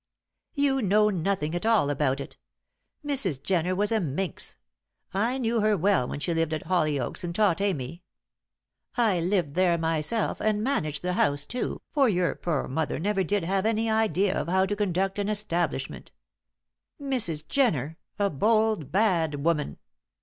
"You know nothing at all about it. Mrs. Jenner was a minx; I knew her well when she lived at Hollyoaks and taught Amy. I lived there myself, and managed the house, too, for your poor mother never did have any idea of how to conduct an establishment. Mrs. Jenner a bold, bad woman!